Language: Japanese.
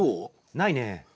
ないね。